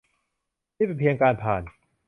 นี่เป็นเพียงการผ่าน